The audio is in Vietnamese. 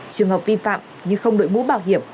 trường hợp vi phạm như không đội mũ bảo hiểm